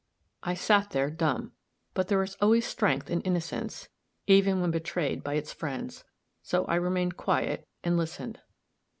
I sat there dumb. But there is always strength in innocence even when betrayed by its friends! So I remained quiet and listened.